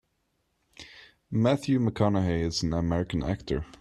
Matthew McConaughey is an American actor.